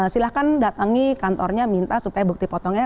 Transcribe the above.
silahkan datangi kantornya minta supaya bukti potongnya